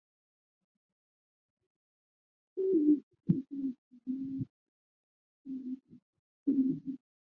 我作为女人而参与了动乱。